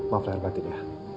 maaf lah herbatin ya